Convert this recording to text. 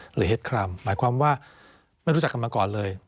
เห็ดครามหมายความว่าไม่รู้จักกันมาก่อนเลย